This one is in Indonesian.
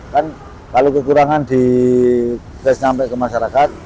kan kalau kekurangan dikes sampai ke masyarakat